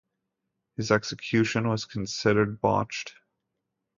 His execution was considered botched.